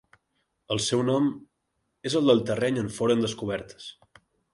El seu nom és el del terreny on foren descobertes.